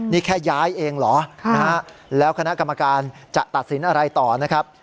นี่แค่ย้ายเองเหรอแล้วคณะกรรมการจะตัดสินอะไรต่อนะครับ